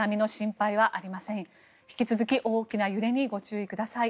引き続き大きな揺れにご注意ください。